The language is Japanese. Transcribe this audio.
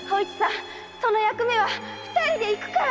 その役目二人で行くから